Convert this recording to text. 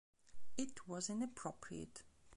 It was inappropriate.